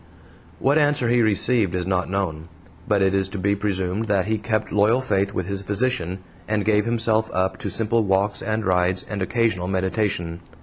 What answer he received is not known, but it is to be presumed that he kept loyal faith with his physician, and gave himself up to simple walks and rides and occasional meditation.